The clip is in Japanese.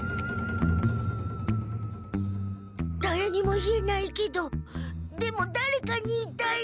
だれにも言えないけどでもだれかに言いたい。